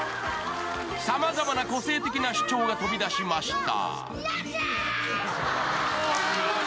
さまざまな個性的な主張が飛び出しました。